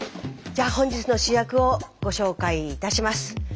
じゃあ本日の主役をご紹介いたします。